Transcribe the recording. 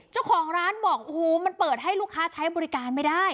เจ้าของร้านบอกโอ้โหมันเปิดให้ลูกค้าใช้บริการไม่ได้